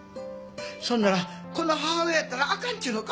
そんならこんな母親やったらあかんちゅうのか？